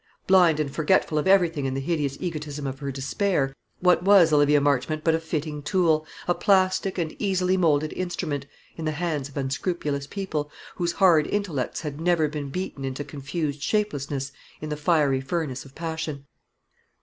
Blind and forgetful of everything in the hideous egotism of her despair, what was Olivia Marchmont but a fitting tool, a plastic and easily moulded instrument, in the hands of unscrupulous people, whose hard intellects had never been beaten into confused shapelessness in the fiery furnace of passion?